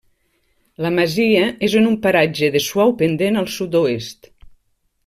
La masia és en un paratge de suau pendent al sud-oest.